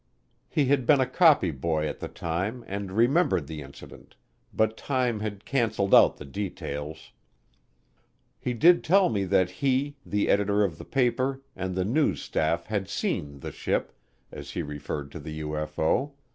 He had been a copy boy at the time and remembered the incident, but time had canceled out the details. He did tell me that he, the editor of the paper, and the news staff had seen "the ship," as he referred to the UFO.